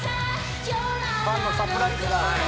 「ファンのサプライズだ」